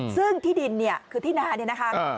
ซึ่งที่ดินเนี่ยคือที่นาเนี่ยนะคะ